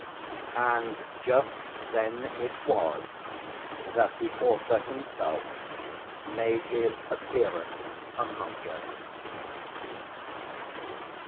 And just then it was that the author himself made his appearance among us.